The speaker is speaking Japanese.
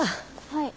はい。